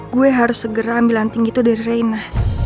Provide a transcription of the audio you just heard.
gue harus segera ambil anting itu dari reina